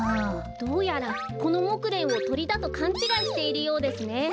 どうやらこのモクレンをとりだとかんちがいしているようですね。